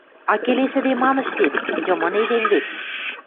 – А келесӹде мам ӹштет?..Йымын эдем вет...